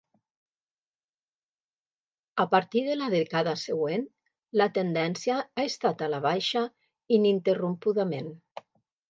A partir de la dècada següent la tendència ha estat a la baixa ininterrompudament.